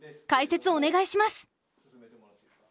解説お願いします！